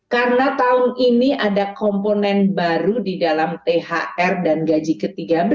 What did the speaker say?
karena tahun ini ada komponen baru di dalam thr dan gaji ke tiga belas